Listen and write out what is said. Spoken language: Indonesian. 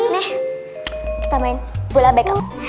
nih kita main bola backup